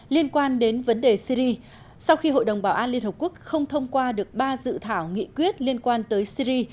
liên quan đến vấn đề syri sau khi hội đồng bảo an liên hợp quốc không thông qua được ba dự thảo nghị quyết liên quan tới syri